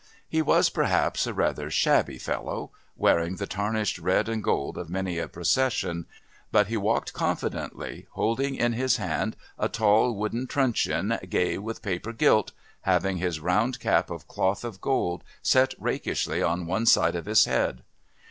He was, perhaps, a rather shabby fellow, wearing the tarnished red and gold of many a procession, but he walked confidently, holding in his hand a tall wooden truncheon gay with paper gilt, having his round cap of cloth of gold set rakishly on one side of his head.